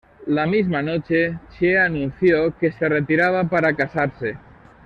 La misma noche, Chie anunció que se retiraba para casarse.